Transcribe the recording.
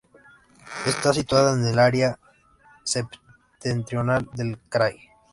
Está situado en el área septentrional del krai.